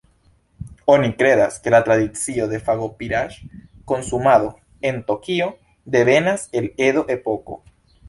Oni kredas, ke la tradicio de fagopiraĵ-konsumado en Tokio devenas el Edo-epoko.